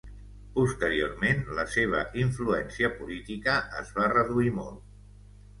Posteriorment, la seva influència política es va reduir molt.